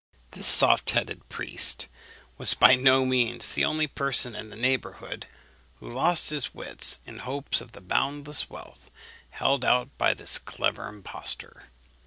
This soft headed priest was by no means the only person in the neighbourhood who lost his wits in hopes of the boundless wealth held out by this clever impostor.